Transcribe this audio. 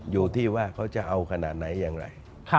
อยู่ที่ว่าเขาจะเอาขนาดไหนอย่างไร